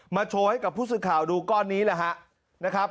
โชว์ให้กับผู้สื่อข่าวดูก้อนนี้แหละฮะนะครับ